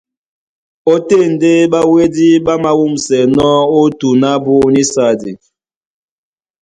Ótên ndé ɓáwédí ɓá māwûmsɛnɔ́ ó tǔn ábú nísadi.